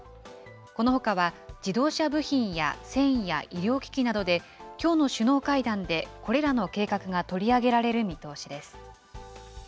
このほかは、自動車部品や繊維や医療機器などで、きょうの首脳会談でこれらの計画が取り上げられる見通しです。